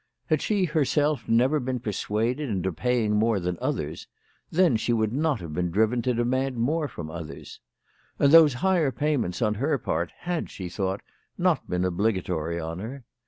Had she herself never been persuaded into paying more to others, then she would not have been driven to demand more from others. And those higher pay ments on her part had, she thought, not been obligatory on her.